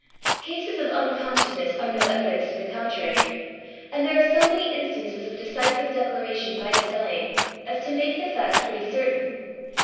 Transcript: Cases of unconscious* ness are no evidence to the contrary ; and there are so many instances of decioive declaratbn by the djdng, as to make the &ct pretty certain.